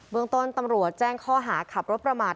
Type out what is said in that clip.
เมืองต้นตำรวจแจ้งข้อหาขับรถประมาท